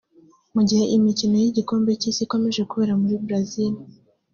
Mu gihe imikino y’igikombe cy’Isi ikomeje kubera muri Brazil